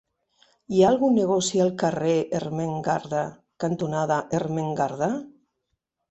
Hi ha algun negoci al carrer Ermengarda cantonada Ermengarda?